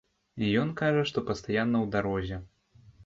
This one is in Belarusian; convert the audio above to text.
Ён кажа, што пастаянна ў дарозе.